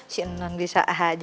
si nun bisa aja